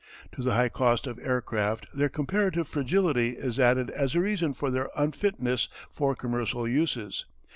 To the high cost of aircraft their comparative fragility is added as a reason for their unfitness for commercial uses.